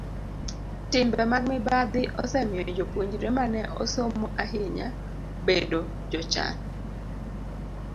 Timbe mag mibadhi osemiyo jopuonjre ma ne osomo ahinya bedo jochan.